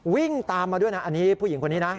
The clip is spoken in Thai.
วิ่งตามมาด้วยนะอันนี้ผู้หญิงคนนี้นะ